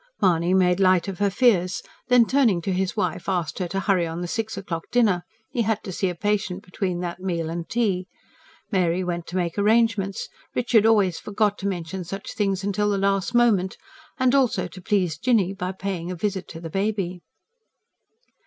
Mahony made light of her fears; then turning to his wife asked her to hurry on the six o'clock dinner: he had to see a patient between that meal and tea. Mary went to make arrangements Richard always forgot to mention such things till the last moment and also to please Jinny by paying a visit to the baby.